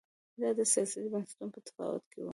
دا د سیاسي بنسټونو په تفاوت کې و